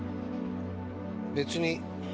別に。